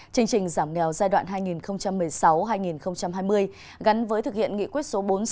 chương trình giảm nghèo giai đoạn hai nghìn một mươi sáu hai nghìn hai mươi gắn với thực hiện nghị quyết số bốn mươi sáu